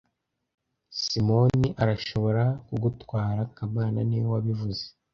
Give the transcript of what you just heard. Simoni arashobora kugutwara kamana niwe wabivuze